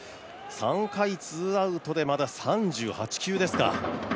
３回ツーアウトで、まだ３８球ですか。